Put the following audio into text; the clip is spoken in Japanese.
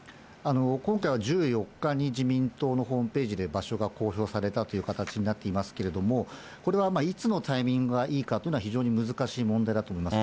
今回は１４日に自民党のホームページで場所が公表されたという形になっていますけれども、これは、いつのタイミングがいいかっていうのは非常に難しい問題だと思います。